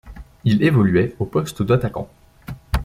Il évoluait au poste d’attaquant.